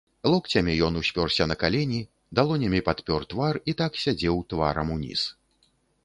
Локцямі ён успёрся на калені, далонямі падпёр твар і так сядзеў тварам уніз.